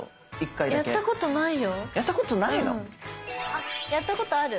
あやったことある。